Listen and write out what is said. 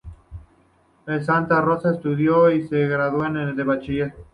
En Santa Rosa estudió y se graduó de bachiller.